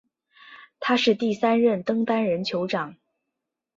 他是第三任登丹人酋长。